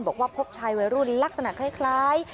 บอกว่าพบชายวัยรุ่นลักษณะคล้าย